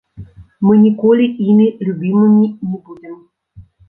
Мы ніколі імі любімымі не будзем.